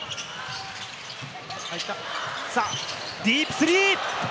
さぁディープスリー！